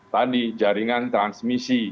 tadi jaringan transmisi